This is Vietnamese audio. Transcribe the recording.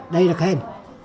đây là khen